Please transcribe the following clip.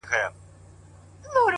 له پردي جنګه یې ساته زما د خاوري ,